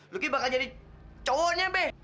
lu bakal jadi cowoknya be